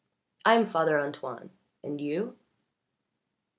I am Father Antoine. And you?"